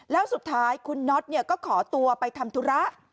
แล้วสุดท้ายคุณน็อตก็ขอตัวไปทำธุระ